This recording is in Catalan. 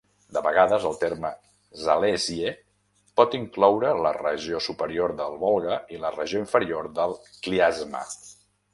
De vegades, el terme "Zalesye" pot incloure la regió superior del Volga i la regió inferior del Klyazma.